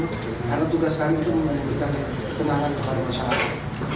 karena tugas kami itu menunjukkan ketenangan kepada masyarakat